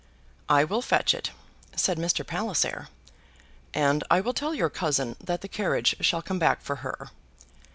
"I will fetch it," said Mr. Palliser; "and I will tell your cousin that the carriage shall come back for her."